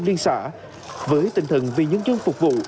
liên xã với tinh thần vì nhân dân phục vụ